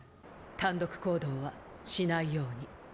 単独行動はしないように。